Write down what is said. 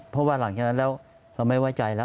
เพราะว่าหลังจากนั้นแล้วเราไม่ไว้ใจแล้ว